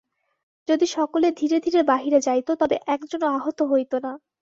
যদি সকলে ধীরে ধীরে বাহিরে যাইত, তবে একজনও আহত হইত না।